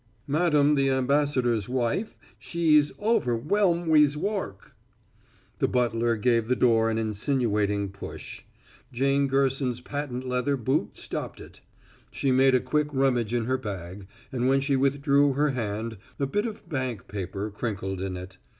"Madam the ambassador's wife; she ees overwhelm wiz woark." The butler gave the door an insinuating push. Jane Gerson's patent leather boot stopped it. She made a quick rummage in her bag, and when she withdrew her hand, a bit of bank paper crinkled in it.